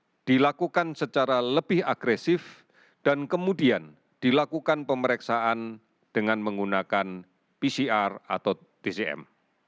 pemeriksaan dilakukan secara lebih agresif dan kemudian dilakukan pemeriksaan dengan menggunakan pcr atau tcm